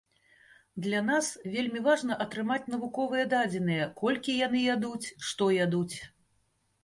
Для нас вельмі важна атрымаць навуковыя дадзеныя, колькі яны ядуць, што ядуць.